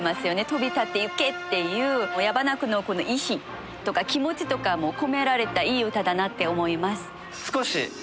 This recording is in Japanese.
「飛び立ってゆけ」っていう矢花君のこの意志とか気持ちとかも込められたいい歌だなって思います。